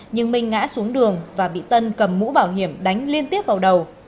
nhưng minh ngã xuống đường và bị tân cầm mũ bảo hiểm đánh liên tiếp vào đầu